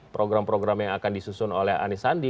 program program yang akan disusun oleh anisandi